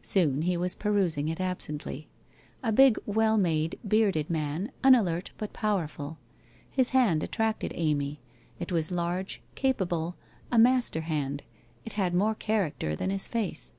Soon he was perusing it absently. A big, well made, bearded man, unalert, but powerful. His hand attracted Amy, it was large, capable, a master hand, it had more character than hi ; face.